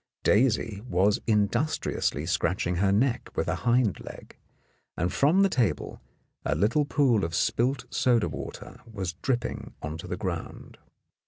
Daisy was industriously scratching her neck with a hind leg, and from the table a little pool of spilt soda water was dripping on to the ground.